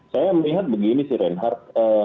saya melihat begini sih reinhardt